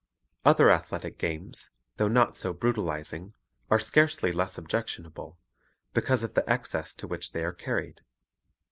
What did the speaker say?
Other athletic games, though not so brutalizing, are scarcely less objectionable, because of the excess to which they are carried.